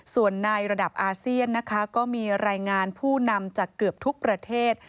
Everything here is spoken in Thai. ส่วนในระดับอาเซียนนะคะก็มีรายงานผู้นำจากเกือบทุกประเทศ